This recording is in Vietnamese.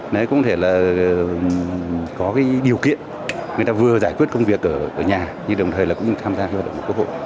nó cũng có thể là có cái điều kiện người ta vừa giải quyết công việc ở nhà nhưng đồng thời là cũng tham gia vào đội quốc hội